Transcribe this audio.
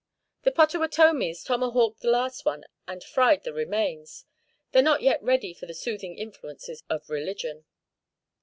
The Pottawattomies tomahawked the last one and fried the remains. They're not yet ready for the soothing influences of religion."